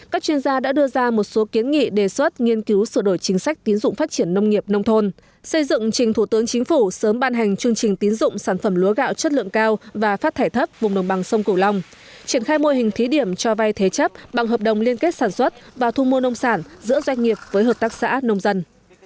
các chuyên gia đã đưa ra một số kiến nghị đề xuất nghiên cứu sửa đổi chính sách tín dụng phát triển nông nghiệp nông thôn xây dựng trình thủ tướng chính phủ sớm ban hành chương trình tín dụng sản phẩm lúa gạo chất lượng cao và phát thải thấp vùng đồng bằng sông cửu long triển khai mô hình thí điểm cho vay thế chấp bằng hợp đồng liên kết sản xuất và thu mua nông sản giữa doanh nghiệp với hợp tác xã nông dân